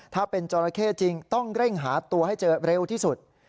ถ้าเป็นจราเข้จริงต้องเร่งหาตัวให้เจอเร็วที่สุด